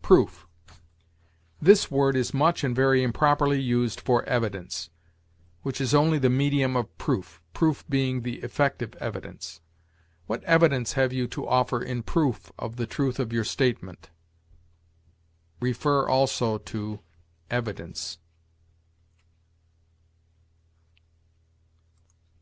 PROOF. This word is much and very improperly used for evidence, which is only the medium of proof, proof being the effect of evidence. "What evidence have you to offer in proof of the truth of your statement?" See also EVIDENCE.